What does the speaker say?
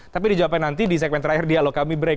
tapi dijawabkan nanti di segmen terakhir dialog kami break